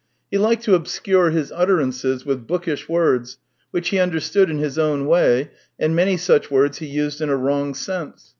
He liked to obscure his utterances with bookish words, which he understood in his own way, and many such words he used in a wrong sense.